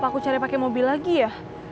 aku cari pakai mobil lagi ya